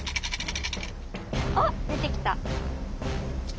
あっ出てきた！